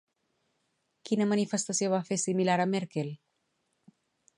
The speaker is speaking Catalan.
Quina manifestació va fer similar a Merkel?